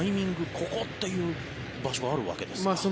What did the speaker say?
ここという場所はあるわけですか？